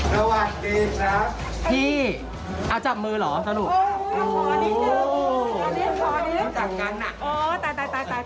สวัสดีครับ